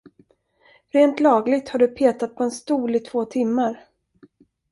Rent lagligt har du petat på en stol i två timmar!